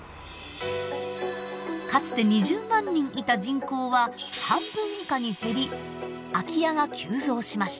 かつて２０万人いた人口は半分以下に減り空き家が急増しました。